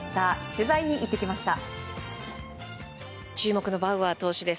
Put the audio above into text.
取材に行ってきました。